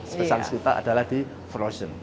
spesialis kita adalah di frozen